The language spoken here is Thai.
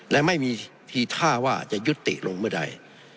และไม่มีทีท่าว่าจะยุติลงเมื่อใด